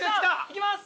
いきます。